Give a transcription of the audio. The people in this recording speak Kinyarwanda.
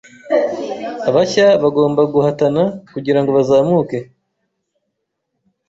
Abashya bagomba guhatana kugirango bazamuke.